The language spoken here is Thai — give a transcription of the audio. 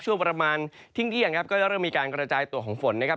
ช่วงประมาณเที่ยงครับก็จะเริ่มมีการกระจายตัวของฝนนะครับ